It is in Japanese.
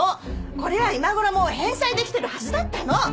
これは今頃もう返済できてるはずだったの。